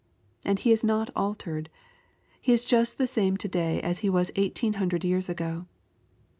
And He is not altered. He is just the same to day as He was eighteen hundred years ago.